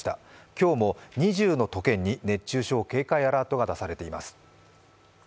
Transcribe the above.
今日も２０の都県に熱中症警戒アラートが出されています。